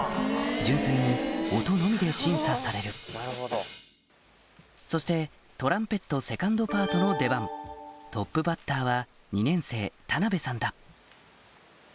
純粋に音のみで審査されるそしてトランペットセカンドパートの出番トップバッターは